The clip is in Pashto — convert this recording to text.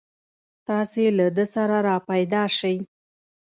تاسې له ده سره راپیدا شئ.